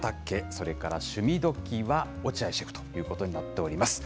それから趣味どきっ！は落合シェフということになっております。